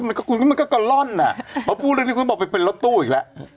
โอ้โหคุณก็ก็เล่อนอ่ะคุณแบบนี้เป็นรถตู้อีกแล้ว